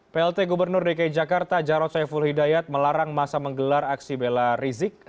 plt gubernur dki jakarta jarod saiful hidayat melarang masa menggelar aksi bela rizik